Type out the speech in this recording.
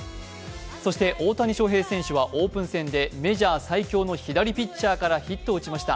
そして大谷翔平選手はオープン戦でメジャー最強の左ピッチャーからヒットを打ちました。